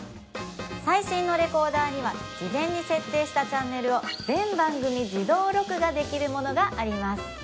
最新のレコーダーには事前に設定したチャンネルを全番組自動録画できるものがあります